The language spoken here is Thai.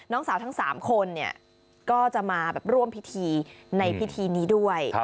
น้องสาวทั้ง๓คนเนี่ยก็จะมาแบบร่วมพิธีในพิธีนี้ด้วย